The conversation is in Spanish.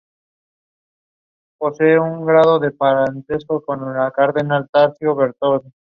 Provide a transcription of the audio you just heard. Se desconoce la localización exacta que tenía la ciudad.